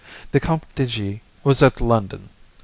The Comte de G. was at London.